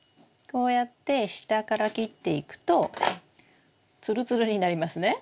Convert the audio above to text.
こうやって下から切っていくとツルツルになりますね？